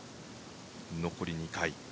残り２回。